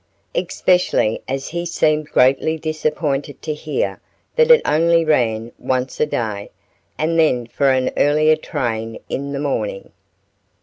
Especially as he seemed greatly disappointed to hear that it only ran once a day, and then for an earlier train in the morning.